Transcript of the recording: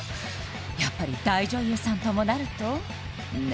やっぱり大女優さんともなるとね